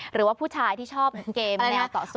หรือว่าผู้ชายที่ชอบเกมแนวต่อสู้